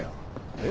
えっ？